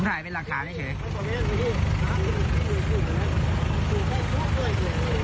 ผมถ่ายเป็นหลังคานี่เฉย